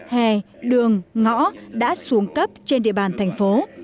hè đường ngõ đã xuống cấp trên địa bàn thành phố